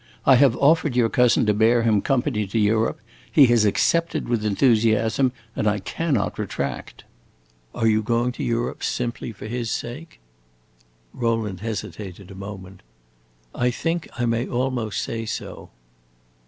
I have offered your cousin to bear him company to Europe, he has accepted with enthusiasm, and I cannot retract." "Are you going to Europe simply for his sake?" Rowland hesitated a moment. "I think I may almost say so."